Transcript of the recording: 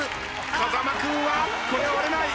風間君はこれは割れない。